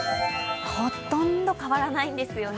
ほとんど変わらないんですよね。